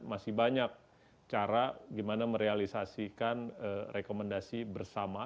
masih banyak cara gimana merealisasikan rekomendasi bersama